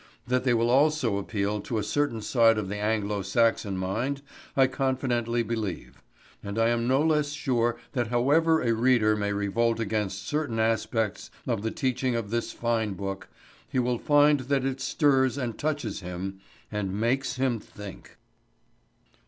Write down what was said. That they will also appeal to a certain side of the Anglo Saxon mind I confidently believe; and I am no less sure that however a reader may revolt against certain aspects of the teaching of this fine book, he will find that it stirs and touches him and makes him think.